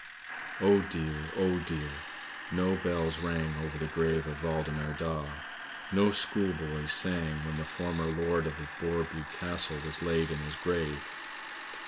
"'Oh dear! Oh dear! No bells rang over the grave of Waldemar Daa. No schoolboys sang when the former lord of Borreby Castle was laid in his grave.